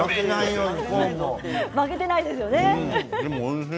負けていないですよね。